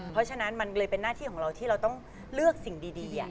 เพราะฉะนั้นมันเลยเป็นหน้าที่ของเราที่เราต้องเลือกสิ่งดี